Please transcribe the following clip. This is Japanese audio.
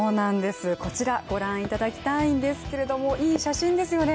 こちらご覧いただきたいんですけれどもいい写真ですよね。